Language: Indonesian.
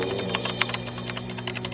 nah kita sudah melakukan itu